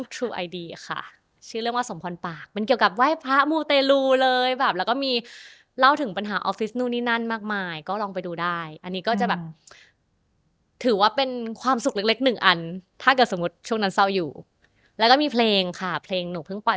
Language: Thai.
ทุกวันนี้ยังมีรีลันในติ๊กต๊อกอยู่เลย